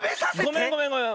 ごめんごめんごめん。